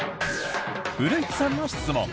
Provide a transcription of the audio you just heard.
古市さんの質問。